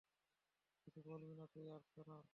কিছু বলবি না তুই, আর্সলান।